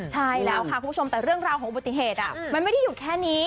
ใช่แล้วค่ะคุณผู้ชมแต่เรื่องราวของอุบัติเหตุมันไม่ได้อยู่แค่นี้